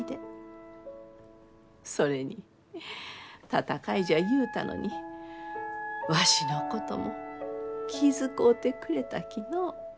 それに戦いじゃ言うたのにわしのことも気遣うてくれたきのう。